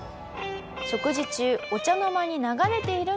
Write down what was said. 「食事中お茶の間に流れているのは」